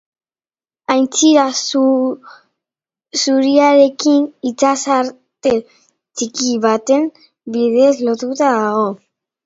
Aintzira zuriarekin, itsasarte txiki baten bidez lotuta dago.